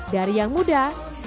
dari yang muda